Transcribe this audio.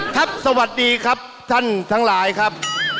ครับสวัสดีครับท่านทั้งหลายครับ